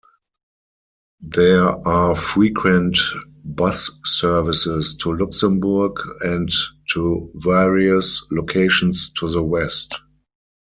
There are frequent bus services to Luxembourg and to various locations to the west.